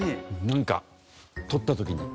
なんか撮った時に。